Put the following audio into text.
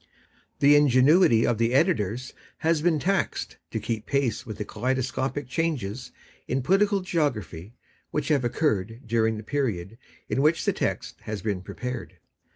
The ingenuity of the editors has been taxed to keep pace with the kaleidoscopic changes in political geography which have occurred during the period in which the text has been prepared.